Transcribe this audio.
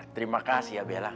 terima kasih ya bella